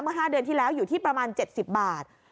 ๕เดือนที่แล้วอยู่ที่ประมาณ๗๐บาท